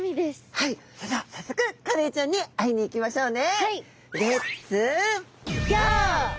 はいそれでは早速カレイちゃんに会いに行きましょうね。